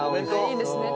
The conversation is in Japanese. いいですね。